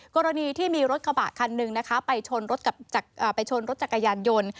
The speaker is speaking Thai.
กรณีที่มีรถกระบะคันหนึ่งนะคะไปชนรถจักรยานยนต์